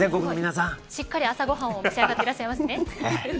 しっかり朝ご飯を召し上がっていらっしゃいますね。